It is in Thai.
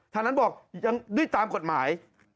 ทางนั้นบอกยังด้วยตามกฎหมาย